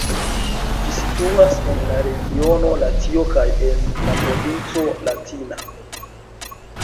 Ĝi situas en la regiono Latio kaj en la provinco Latina.